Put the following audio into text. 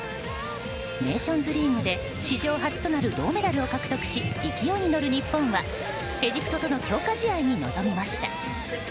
ネーションズリーグで史上初となる銅メダルを獲得し勢いに乗る日本はエジプトとの強化試合に臨みました。